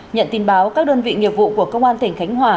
nhận tin báo các đơn vị nghiệp vụ của công an tỉnh khánh hòa